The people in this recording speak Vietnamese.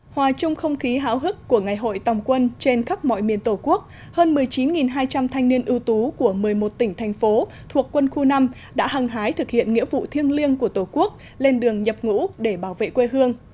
hòa chung không khí háo hức của ngày hội tòng quân trên khắp mọi miền tổ quốc hơn một mươi chín hai trăm linh thanh niên ưu tú của một mươi một tỉnh thành phố thuộc quân khu năm đã hăng hái thực hiện nghĩa vụ thiêng liêng của tổ quốc lên đường nhập ngũ để bảo vệ quê hương